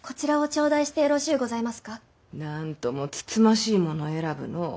なんとも慎ましいものを選ぶの。